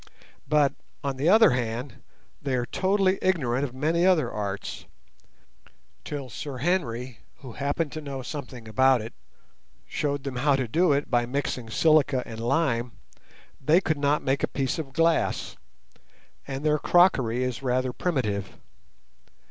But, on the other hand, they are totally ignorant of many other arts. Till Sir Henry, who happened to know something about it, showed them how to do it by mixing silica and lime, they could not make a piece of glass, and their crockery is rather primitive.